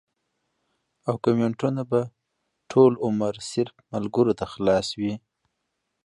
او کمنټونه به ټول عمر صرف ملکرو ته خلاص وي